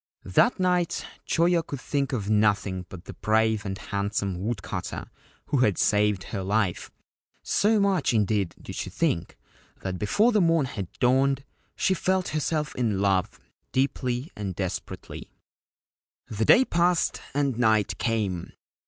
That night Choyo could think of nothing but the brave and handsome woodcutter who had saved her life ; so much, indeed, did she think that before the morn had dawned she felt herself in love, deeply and desperately. The day passed and night came.